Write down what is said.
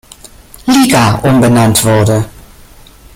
Liga" umbenannt wurde.